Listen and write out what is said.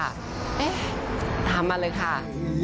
เอ๊ะถามมาเลยค่ะ